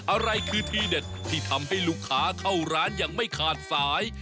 อะไรคือทีเด็ดที่ทำให้ลูกค้าเข้าร้านอย่างไม่ขาดสาย